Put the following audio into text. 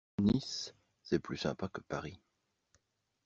Nice c'est plus sympa que Paris.